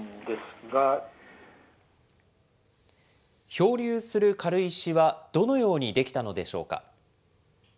漂流する軽石は、どのように出来たのでしょうか。